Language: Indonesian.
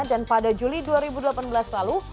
dan pada juli dua ribu delapan belas lalu